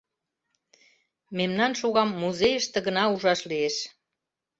— Мемнан шогам музейыште гына ужаш лиеш.